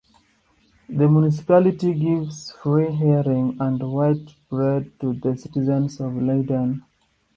The municipality gives free herring and white bread to the citizens of Leiden.